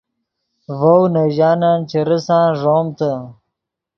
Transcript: ڤؤ نے ژانن چے ریسان ݱومتے